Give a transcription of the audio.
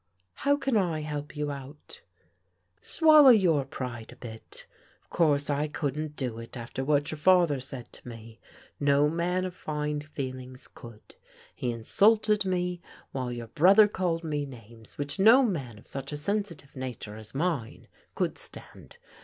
" How can I help you out ?"" Swallow your pride a bit. Of course I couldn't do it after what your father said to me; no man of fine feelings could. He insulted me, while your brother called me names which no man of such a sensitive nature as mine could stand.